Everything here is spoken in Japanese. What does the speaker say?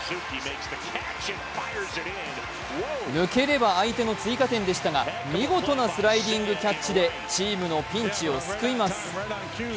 抜ければ相手の追加点でしたが、見事なスライディングキャッチでチームのピンチを救います。